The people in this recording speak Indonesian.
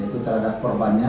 yaitu terhadap korbannya